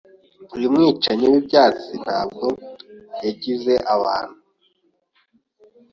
Uyu mwicanyi wibyatsi ntabwo yangiza abantu.